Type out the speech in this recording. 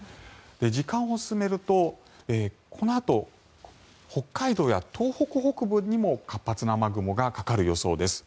時間を進めるとこのあと、北海道や東北北部にも活発な雨雲がかかる予想です。